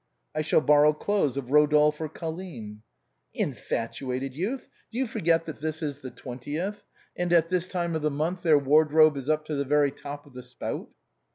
" I shall borrow clothes of Eodolphe or Colline." " Infatuated youth ! do you forget that this is the twentieth, and at this time of the month their wardrobe is up to the very top of the spout?